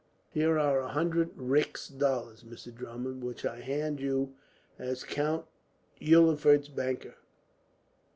"Here are a hundred rix dollars, Mr. Drummond, which I hand you as Count Eulenfurst's banker.